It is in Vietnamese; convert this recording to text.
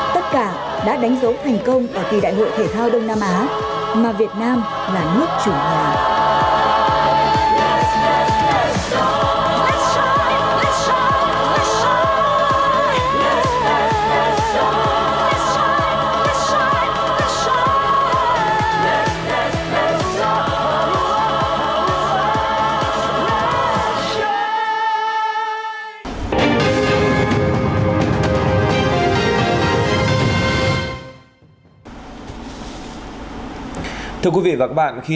tất cả đã đánh dấu thành công ở kỳ đại hội thể thao đông nam á mà việt nam là nước chủ nhà